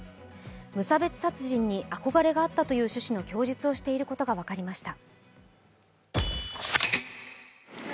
無差別殺人に憧れがあったという趣旨の供述をしていることが分かりました。